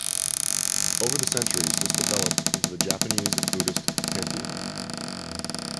Over the centuries this developed into the Japanese Buddhist pantheon.